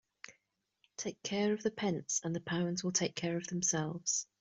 Take care of the pence and the pounds will take care of themselves.